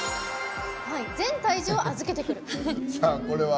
全体重を預けてくる。